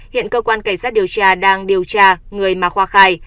hiện cơ quan cảnh sát điều tra đang điều tra người mà khoa khai